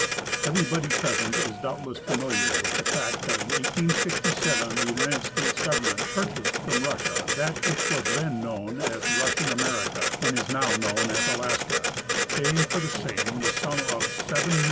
Everybod}^ present is doubtless famil iar with the fact that in 1867 the United States government jjur chased from Russia that which was then known as Russian America and is now known as Alaska, paying for the same the sum of $7,200,000.